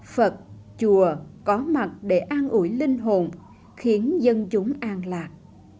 phật chùa có mặt để an ủi linh hồn khiến dân chúng an lạc